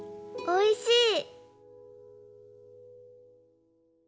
おいしい！